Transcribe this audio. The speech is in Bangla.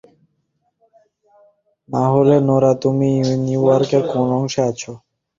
তাহলে নোরা, তুমি নিউইয়র্কের কোন অংশে আছো?